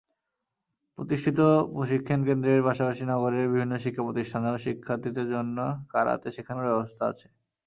প্রতিষ্ঠিত প্রশিক্ষণকেন্দ্রের পাশাপাশি নগরের বিভিন্ন শিক্ষাপ্রতিষ্ঠানেও শিক্ষার্থীদের জন্য কারাতে শেখানোর ব্যবস্থা আছে।